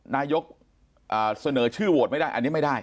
นายกเสนอชื่อโหวตไม่ได้อันนี้ไม่ได้